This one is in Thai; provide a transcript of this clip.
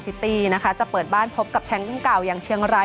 ซิตี้นะคะจะเปิดบ้านพบกับแชมป์รุ่นเก่าอย่างเชียงราย